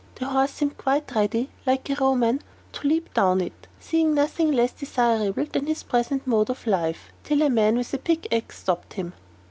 The horse seemed quite ready, like a Roman, to leap down it, seeing nothing less desirable than his present mode of life, till a man with a pickaxe stopped him.